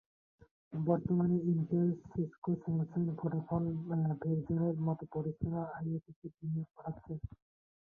বর্তমানে Intel, Cisco, Samsung, Vodafone, ভেরিজনের মতো প্রতিষ্ঠান আইওটিতে বিনিয়োগ বাড়াচ্ছে।